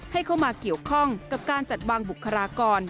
ให้เข้ามาเกี่ยวข้องกับการจัดวางบุคลากร